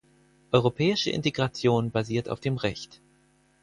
Europäische Integration basiert auf dem Recht.